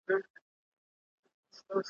الوتني یې کولې و هر لورته `